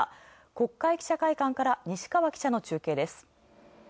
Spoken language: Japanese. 国会記者会館から西川記者です。